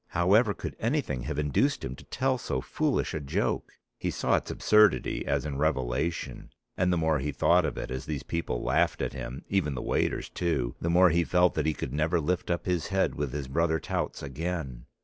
_ However could anything have induced him to tell so foolish a joke? He saw its absurdity as in revelation; and the more he thought of it as these people laughed at him, even the waiters too, the more he felt that he could never lift up his head with his brother touts again.